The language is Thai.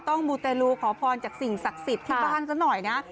มูเตลูขอพรจากสิ่งศักดิ์สิทธิ์ที่บ้านซะหน่อยนะ